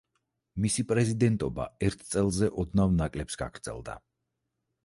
მისი პრეზიდენტობა ერთ წელზე ოდნავ ნაკლებს გაგრძელდა.